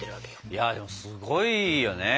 いやでもすごいよね。